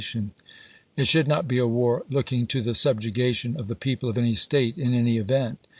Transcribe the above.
tion. It should not be a war looking to the subjugation of the people of any State in any event.